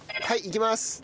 はいいきます。